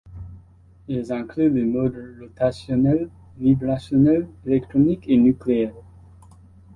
Ils incluent les modes rotationnels, vibrationnels, électroniques et nucléaires.